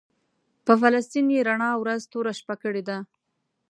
په فلسطین یې رڼا ورځ توره شپه کړې ده.